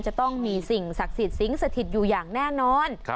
จะต้องมีสิ่งศักดิ์สิทธิ์สิงสถิตอยู่อย่างแน่นอน